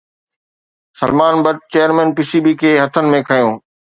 Salman Butt chairman P C B کي هٿن ۾ کنيو